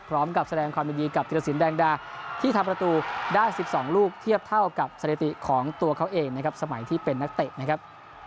พร้อมกับแสดงความยินดีกับธิรสินแดงดาที่ทำประตูได้๑๒ลูกเทียบเท่ากับสถิติของตัวเขาเองนะครับสมัยที่เป็นนักเตะนะครับ